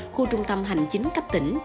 khu trung tâm hành chính cấp tỉnh